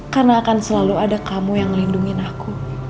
karena akan selalu ada kamu yang melindungi aku